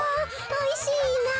おいしいなっと。